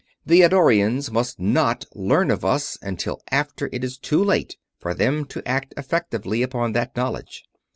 The Eddorians must not learn of us until after it is too late for them to act effectively upon that knowledge.